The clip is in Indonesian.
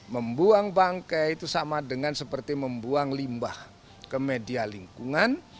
membuang bangkai itu sama dengan seperti membuang limbah ke media lingkungan